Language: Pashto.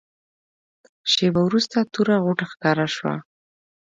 شېبه وروسته توره غوټه ښکاره شوه.